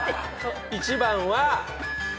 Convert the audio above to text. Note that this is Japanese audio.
１番は。